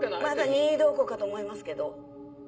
まだ任意同行かと思いますけど。